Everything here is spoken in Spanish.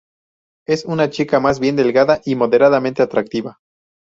Es una chica más bien delgada, y moderadamente atractiva.